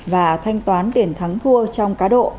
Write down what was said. và thanh toán tiền thắng thua trong cá độ